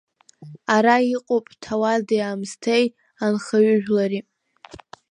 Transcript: Ара иҟоуп ҭауади-аамсҭеи анхаҩыжәлари.